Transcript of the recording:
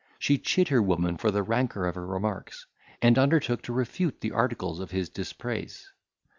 She chid her woman for the rancour of her remarks, and undertook to refute the articles of his dispraise.